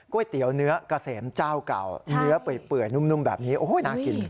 เตี๋ยวเนื้อเกษมเจ้าเก่าเนื้อเปื่อยนุ่มแบบนี้โอ้โหน่ากิน